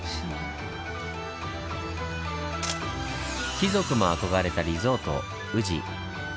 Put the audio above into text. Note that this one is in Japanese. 貴族も憧れたリゾート宇治。